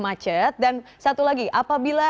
macet dan satu lagi apabila